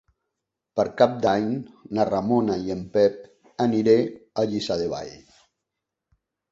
Per Cap d'Any na Ramona i en Pep aniré a Lliçà de Vall.